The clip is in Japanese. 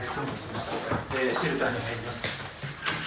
シェルターに入ります。